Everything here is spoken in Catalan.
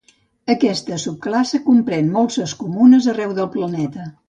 Aquesta subclasse comprèn molses comunes arreu del planeta.